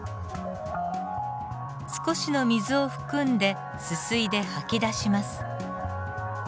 少しの水を含んですすいで吐き出します。